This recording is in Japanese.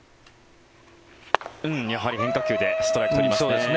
やはり変化球でストライクを取りましたね。